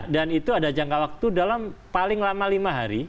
dan itu ada jangka waktu dalam paling lama lima hari